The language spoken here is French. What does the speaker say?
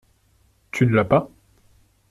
Tu ne l’as pas ?